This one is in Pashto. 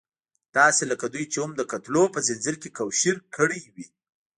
داسې لکه دوی چې هم د قتلونو په ځنځير کې کوشير کړې وي.